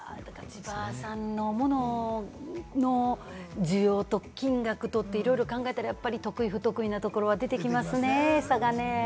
地場産のもの、需要と金額とって、いろいろ考えたら、得意不得意なところは出てきますね、差がね。